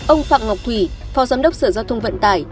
ông phạm ngọc thủy phó giám đốc sở giao thông vận tải